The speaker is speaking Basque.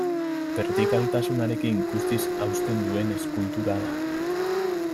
Bertikaltasunarekin guztiz hausten duen eskultura da.